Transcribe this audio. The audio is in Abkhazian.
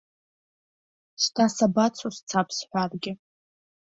Шьҭа сабацо, сцап сҳәаргьы.